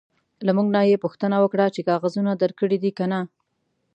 له موږ نه یې پوښتنه وکړه چې کاغذونه درکړي دي که نه.